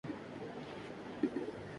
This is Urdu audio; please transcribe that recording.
آج کی افواج اصل میں